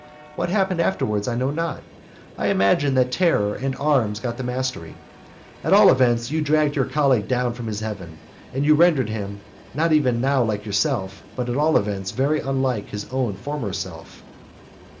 What happened afterwards I know not. I imagine that terror and arms got the mastery. At all events, you dragged your colleague down from his heaven; and you rendered him, not even now like yourself, but at all events very unlike his own former self.